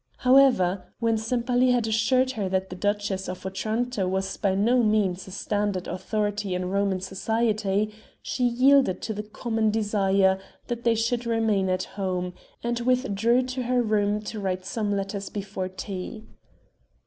However, when Sempaly had assured her that the Duchess of Otranto was by no means a standard authority in Roman society she yielded to the common desire that they should remain at home, and withdrew to her room to write some letters before tea.